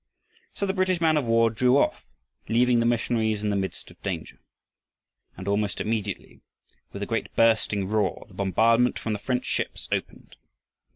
So the British man of war drew off, leaving the missionaries in the midst of danger. And almost immediately, with a great bursting roar, the bombardment from the French ships opened.